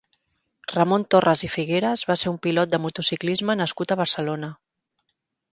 Ramon Torras i Figueras va ser un pilot de motociclisme nascut a Barcelona.